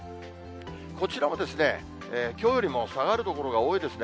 こちらもきょうよりも下がる所が多いですね。